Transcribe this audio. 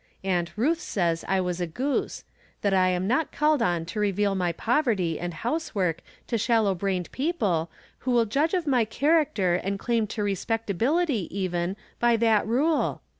Aunt Ruth says I was a goose ; that I am not called on to reveal my poverty andhouse From Different Standpoints. 17 work to shallow brained people, who will judge of my character and claim to respectabihty, even, by that rule.